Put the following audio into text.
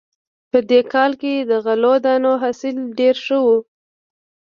په دې کال کې د غلو دانو حاصل ډېر ښه و